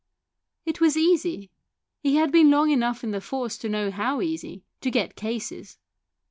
It was easy, he had been long enough in the force to know how easy, to get cases.